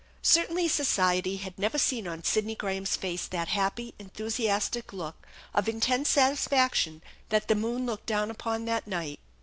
Cer tainly society had never seen on Sidney Graham's face that happy, enthusiastic look of intense satisfaction that the moon looked down upon that night.